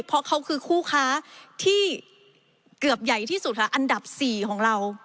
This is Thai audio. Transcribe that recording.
เพราะเขาคือคู่ค้าที่เกือบใหญ่ที่สุดค่ะอันดับ๔ของเรา